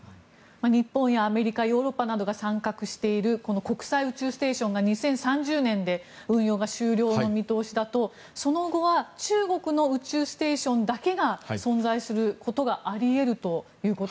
日本やアメリカヨーロッパなどが参画しているこの国際宇宙ステーションが２０３０年で運用が終了の見通しだとその後は中国の宇宙ステーションだけが存在することがあり得るということ。